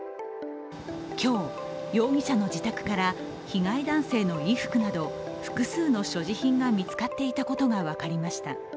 今日、容疑者の自宅から被害男性の衣服など複数の所持品が見つかっていたことが分かりました。